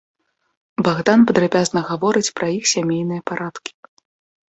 Багдан падрабязна гаворыць пра іх сямейныя парадкі.